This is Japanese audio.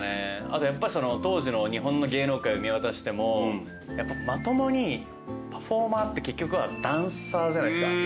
あと当時の日本の芸能界を見渡してもまともにパフォーマーって結局はダンサーじゃないっすか言い方を変えれば。